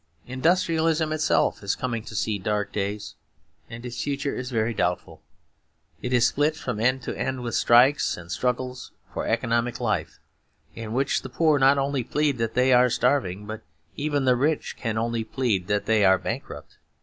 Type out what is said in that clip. Industrialism itself is coming to see dark days, and its future is very doubtful. It is split from end to end with strikes and struggles for economic life, in which the poor not only plead that they are starving, but even the rich can only plead that they are bankrupt.